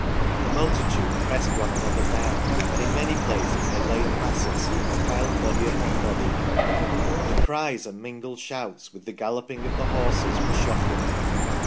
The multitude pressed one another down, and in many places they lay in masses, piled body upon body. The cries and mingled shouts with the galloping of the horses were shocking.